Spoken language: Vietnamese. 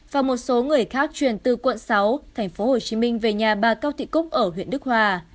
và một số người khác chuyển từ quận sáu tp hcm về nhà bà cao thị cúc ở huyện đức hòa